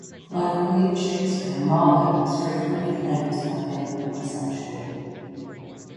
Like William Shakespeare, Marlowe is frequently claimed to have been homosexual.